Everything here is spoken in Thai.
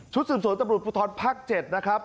สืบสวนตำรวจภูทรภาค๗นะครับ